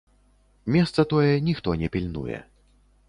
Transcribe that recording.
Месца тое ніхто не пільнуе.